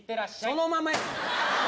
そのままや。